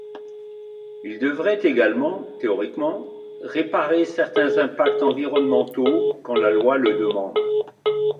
Ils devraient également, théoriquement, réparer certains impacts environnementaux quand la loi le demande.